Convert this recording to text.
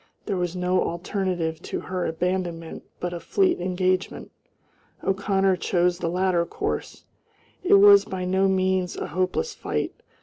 There was no alternative to her abandonment but a fleet engagement. O'Connor chose the latter course. It was by no means a hopeless fight.